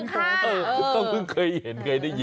ก็เพิ่งเคยเห็นเคยได้ยิน